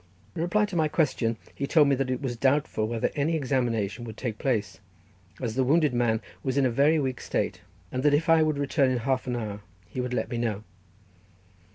In reply to my question he told me that it was doubtful whether any examination would take place, as the wounded man was in a very weak state, but that if I would return in half an hour he would let me know.